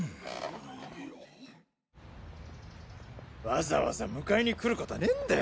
わざわざ迎えに来るこたねぇんだ。